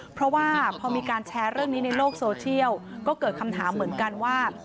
เพราะว่าพอมีการแชร์เรื่องนี้ในโลกโซเชียลก็เกิดคำถามเหมือนกันว่า